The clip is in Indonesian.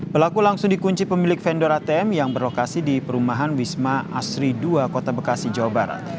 pelaku langsung dikunci pemilik vendor atm yang berlokasi di perumahan wisma asri dua kota bekasi jawa barat